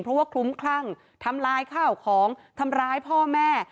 เพราะว่าคลุ้มคลั่งทำลายข้าวของทำร้ายพ่อแม่